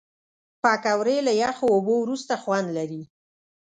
پکورې له یخو اوبو وروسته خوند لري